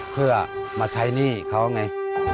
เพื่อมาใช้หนี้เขาไง